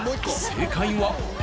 正解は。